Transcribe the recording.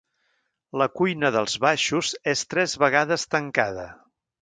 La cuina dels baixos és tres vegades tancada.